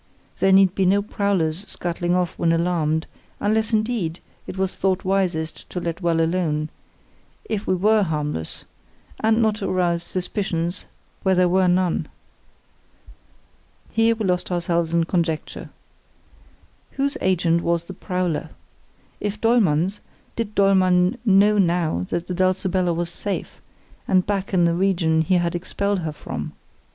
There need be no prowlers scuttling off when alarmed, unless indeed it was thought wisest to let well alone, if we were harmless, and not to arouse suspicions where there were none. Here we lost ourselves in conjecture. Whose agent was the prowler? If Dollmann's, did Dollmann know now that the Dulcibella was safe, and back in the region he had expelled her from?